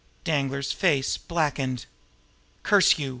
Danglar's face blackened. "Curse you!"